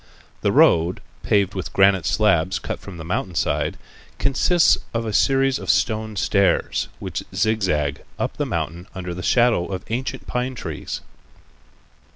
The road, paved with granite slabs cut from the mountain side, consists of a series of stone stairs, which zig zag up the mountain under the shadow of ancient pine trees.